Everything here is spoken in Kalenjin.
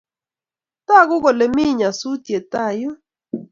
Tagu kole mi nyasutyet tai yun.